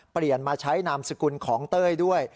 เปลี่ยนมาใช้นามสกุลของเต้ยด้วย